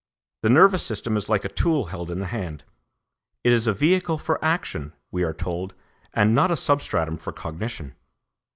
The nervous system is like a tool held in the hand: it is a vehicle for action, we are told, and not a substratum for cognition.